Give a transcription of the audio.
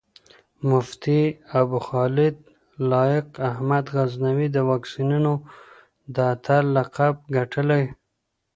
مفتي ابوخالد لائق احمد غزنوي د واکسينو د اتَل لقب ګټلی